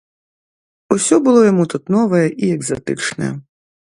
Усё было яму тут новае і экзатычнае.